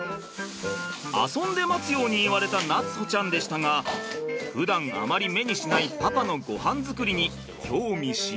遊んで待つように言われた夏歩ちゃんでしたがふだんあまり目にしないパパのごはん作りに興味津々。